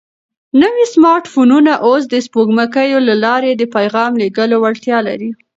نوي سمارټ فونونه اوس د سپوږمکیو له لارې د پیغام لېږلو وړتیا لري.